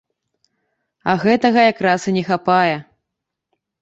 А гэтага якраз і не хапае.